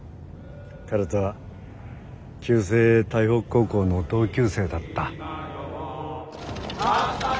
彼とは旧制台北高校の同級生だった。